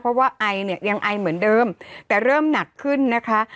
เพราะว่าไอเนี่ยยังไอเหมือนเดิมแต่เริ่มหนักขึ้นนะคะ